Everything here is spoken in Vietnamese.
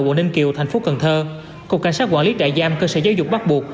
quận ninh kiều thành phố cần thơ cục cảnh sát quản lý trại giam cơ sở giáo dục bắt buộc